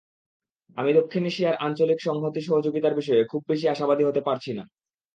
আমি দক্ষিণ এশিয়ার আঞ্চলিক সংহতি-সহযোগিতার বিষয়ে খুব বেশি আশাবাদী হতে পারছি না।